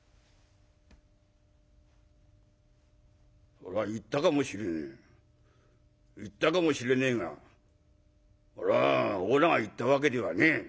「そりゃあ言ったかもしれねえ言ったかもしれねえがあれはおらが言ったわけではねえ。